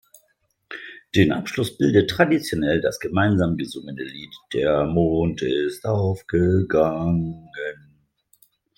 Den Abschluss bildet traditionell das gemeinsam gesungene Lied "Der Mond ist aufgegangen".